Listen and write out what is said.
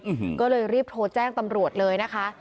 อืมก็เลยรีบโทรแจ้งตำรวจเลยนะคะ